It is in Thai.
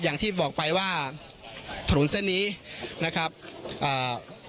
อย่างที่บอกไปว่าถนนเส้นนี้นะครับอ่า